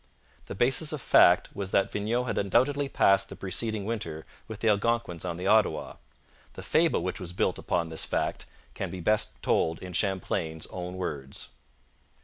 The basis of fact was that Vignau had undoubtedly passed the preceding winter with the Algonquins on the Ottawa. The fable which was built upon this fact can best be told in Champlain's own words.